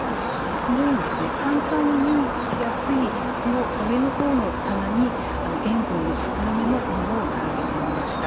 このように簡単に目につきやすく上の方の棚に塩分の少なめのものを並べてみました。